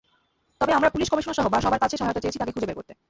তবে আমরা পুলিশ কমিশনারসহ সবার কাছে সহায়তা চেয়েছি তাঁকে খুঁজে বের করতে।